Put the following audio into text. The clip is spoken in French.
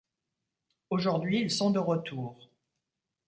Aujourd'hui ils sont de retour.